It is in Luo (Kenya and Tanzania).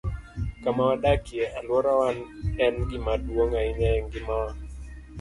Kama wadakie, alworawa en gima duong ' ahinya e ngimawa.